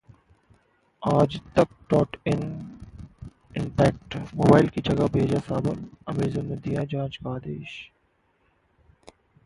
aajtak.in impact: mobile की जगह भेजा साबुन, अमेजन ने दिया जांच का आदेश